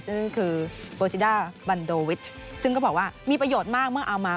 ซึ่งคือโบซิด้าบันโดวิชซึ่งก็บอกว่ามีประโยชน์มากเมื่อเอามา